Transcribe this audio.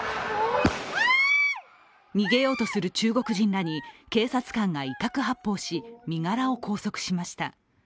逃げようとする中国人らに警察官が威嚇発砲し、身柄を拘束しました。